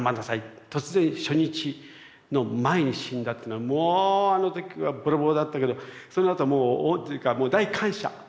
突然初日の前に死んだっていうのはもうあの時はボロボロだったけどそのあともう大感謝。